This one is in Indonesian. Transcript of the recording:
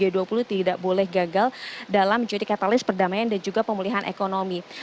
itu tidak boleh gagal dalam menjadi katalis perdamaian dan juga pemulihan ekonomi